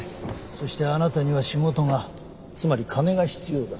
そしてあなたには仕事がつまり金が必要だ。